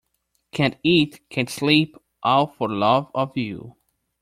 Can't eat, can't sleep — all for love of you.